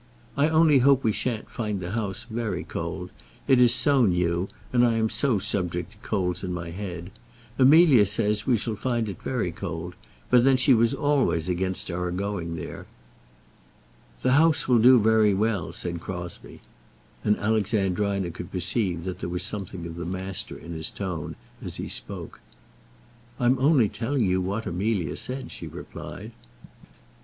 I only hope we shan't find the house very cold. It is so new, and I am so subject to colds in my head. Amelia says we shall find it very cold; but then she was always against our going there." "The house will do very well," said Crosbie. And Alexandrina could perceive that there was something of the master in his tone as he spoke. "I am only telling you what Amelia said," she replied.